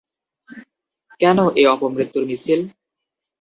কেন এ অপমৃত্যুর মিছিল?